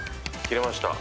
切れました。